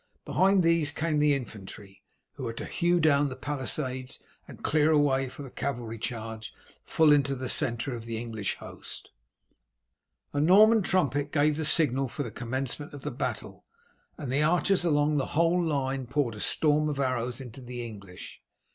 Behind these came the infantry, who were to hew down the palisades and clear a way for the cavalry charge full into the centre of the English host. A Norman trumpet gave the signal for the commencement of the battle, and the archers along the whole line poured a storm of arrows into the English.